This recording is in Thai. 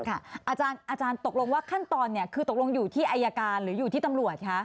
อาจารย์ตกลงว่าขั้นตอนคือตกลงอยู่ที่อายการหรืออยู่ที่ตำรวจคะ